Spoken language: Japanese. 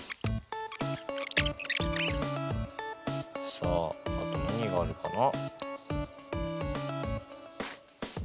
さああと何があるかな。